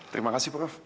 terima kasih prof